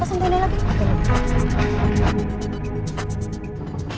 pasang beneran lagi